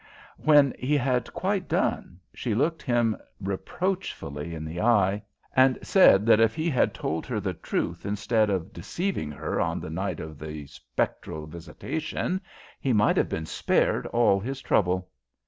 When he had quite done, she looked him reproachfully in the eye, and said that if he had told her the truth instead of deceiving her on the night of the spectral visitation, he might have been spared all his trouble.